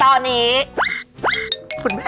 ตอนนี้คุณแม่